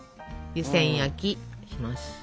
湯せん焼きします。